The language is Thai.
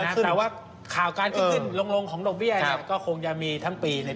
แต่ว่าข่าวการที่ขึ้นลงของตรงพี่ไอก็คงจะมีทั้งปีเลย